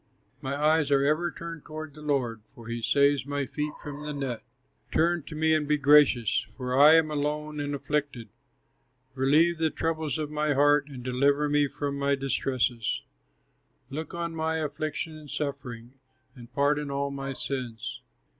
My eyes are ever turned toward the Lord, For he saves my feet from the net. Turn to me and be gracious, For I am alone and afflicted; Relieve the troubles of my heart, And deliver me from my distresses; Look on my affliction and suffering, And pardon all my sins.